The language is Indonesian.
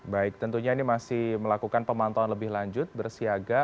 baik tentunya ini masih melakukan pemantauan lebih lanjut bersiaga